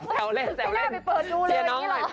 แซวเล่นแซวเล่น